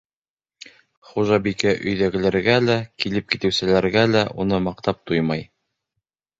Хужабикә өйҙәгеләргә лә, килеп-китеүселәргә лә уны маҡтап туймай.